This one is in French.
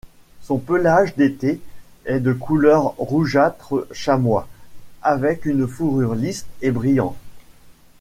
Son pelage d'été est de couleur rougeâtre-chamois, avec une fourrure lisse et brillante.